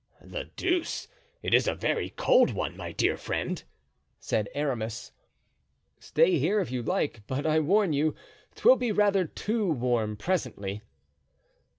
"The deuce! it is a very cold one, my dear friend," said Aramis. "Stay here, if you like, but I warn you 'twill be rather too warm presently."